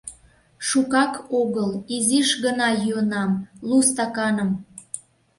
Шукак огыл, изиш гына йӱынам, лу стаканым.